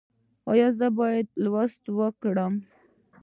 ایا زه باید لوستل وکړم؟